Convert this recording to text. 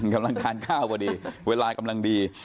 กำลังทานข้าวพอดีเวลากำลังดี